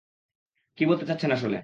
কী বলতে চাচ্ছেন আসলে?